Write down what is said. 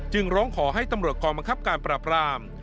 ร้องขอให้ตำรวจกองบังคับการปราบราม